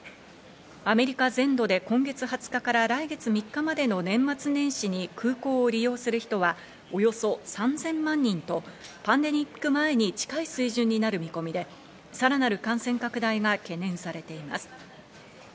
アメリカ全土で今月２０日から来月３日までの年末年始に空港を利用する人は、およそ３０００万人とパンデミック前に近い水準になる見込みで、さらなる感染拡大が懸念されています。